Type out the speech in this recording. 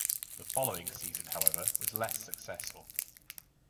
The following season, however, was less successful.